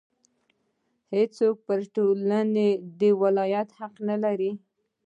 هېڅوک پر ټولنې د ولایت حق نه لري.